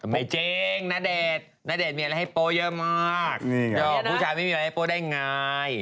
ไม่จริงณเดชน์ณเดชนมีอะไรให้โป้เยอะมากผู้ชายไม่มีอะไรให้โป้ได้ไง